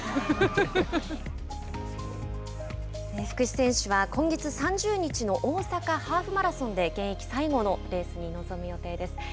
福士選手は今月３０日の大阪ハーフマラソンで現役最後のレースに臨む予定です。